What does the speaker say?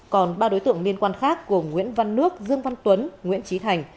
còn ba đối tượng liên quan khác gồm nguyễn văn nước dương văn tuấn nguyễn trí thành